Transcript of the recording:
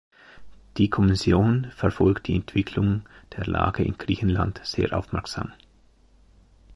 Die Kommission verfolgt die Entwicklung der Lage in Griechenland sehr aufmerksam.